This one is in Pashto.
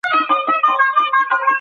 موږ د یوې روښانه راتلونکې هیله لرو.